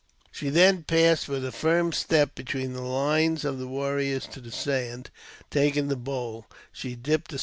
She then passed with a firm step between the lines of tl warriors to the sand. Taking the bowl, she dipped a sm?